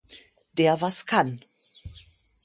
Der was kann.